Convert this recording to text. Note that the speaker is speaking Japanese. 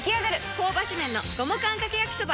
香ばし麺の五目あんかけ焼きそば。